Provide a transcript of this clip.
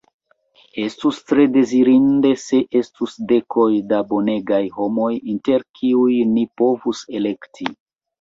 Estus tre dezirinde se estus dekoj da bonegaj homoj inter kiuj ni povus elekti.